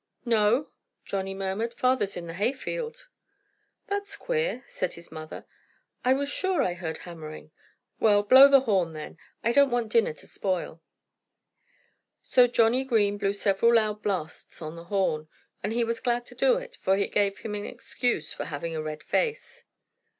"No!" Johnnie murmured. "Father's in the hayfield." "That's queer," said his mother. "I was sure I heard hammering.... Well, blow the horn, then! I don't want dinner to spoil." So Johnnie Green blew several loud blasts on the horn. And he was glad to do it, for it gave him an excuse for having a red face.